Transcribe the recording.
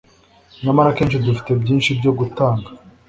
nyamara akenshi dufite byinshi byo gutanga